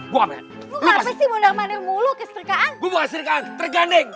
lu kenapa sih mundur mundur mulu keserikaan gue bukan keserikaan terganding